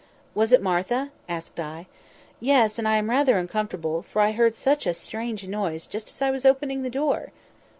"Was it Martha?" asked I. "Yes. And I am rather uncomfortable, for I heard such a strange noise, just as I was opening the door."